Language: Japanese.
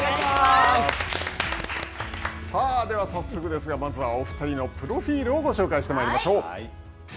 さあでは早速ですが、まずはお２人のプロフィールをご紹介してまいりましょう。